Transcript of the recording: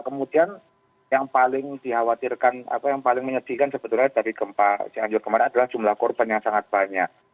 kemudian yang paling dikhawatirkan apa yang paling menyedihkan sebetulnya dari gempa cianjur kemarin adalah jumlah korban yang sangat banyak